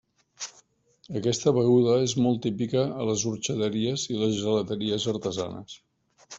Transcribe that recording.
Aquesta beguda és molt típica a les orxateries i les gelateries artesanes.